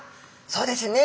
そうですね